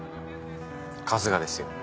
春日ですよ？